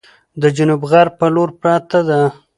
د جنوب غرب په لور پرته ده،